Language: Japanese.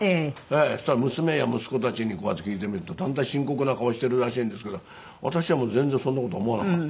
ええ。そしたら娘や息子たちにこうやって聞いてみるとだんだん深刻な顔してるらしいんですけど私は全然そんな事思わなかった。